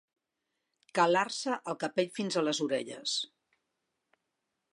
Calar-se el capell fins a les orelles.